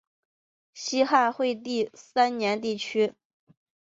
西汉惠帝三年地区。